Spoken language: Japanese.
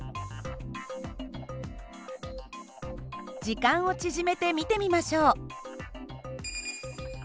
時間を縮めて見てみましょう。